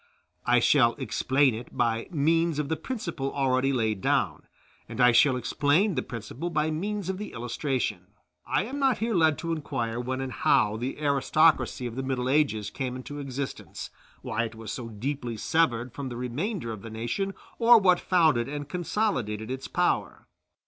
I shall explain it by means of the principle already laid down, and I shall explain the principle by means of the illustration. I am not here led to inquire when and how the aristocracy of the Middle Ages came into existence, why it was so deeply severed from the remainder of the nation, or what founded and consolidated its power.